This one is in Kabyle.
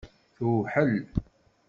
Tewḥel.